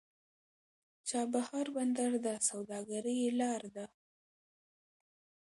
چابهار بندر د سوداګرۍ لار ده.